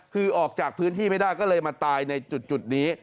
คือออกจากพื้นที่ไม่ได้ก็เลยมาตายในจุดนี้